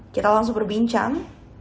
kita langsung berbincang